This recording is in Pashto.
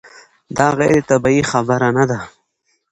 دا غیر طبیعي خبره نه ده.